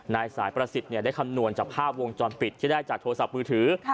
นายสายประสิทธิ์ได้คำนวณจากภาพวงจรปิดที่ได้จากโทรศัพท์มือถือ